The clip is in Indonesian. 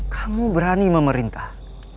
kamu berani memerintah